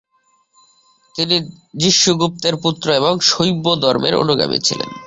তিনি জিষ্ণুগুপ্তের পুত্র এবং শৈব ধর্মের অনুগামী ছিলেন।